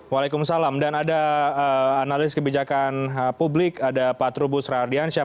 waalaikumsalam dan ada analis kebijakan publik ada pak trubus rahardiansyah